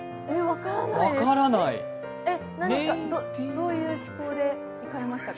どういう思考でいかれました？